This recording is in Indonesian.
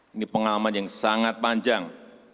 ini pengalaman yang sangat panjang